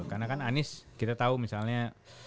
karena kan anies kita tau misalnya